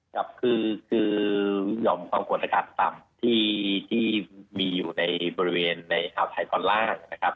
ครับคือหย่อมความกดอากาศต่ำที่มีอยู่ในบริเวณในอ่าวไทยตอนล่างนะครับ